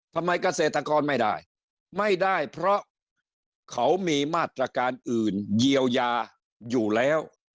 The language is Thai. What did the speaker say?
เกษตรกรไม่ได้ไม่ได้เพราะเขามีมาตรการอื่นเยียวยาอยู่แล้ว